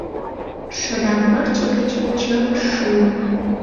Шыдаҥ пырче гыч чывыш шуым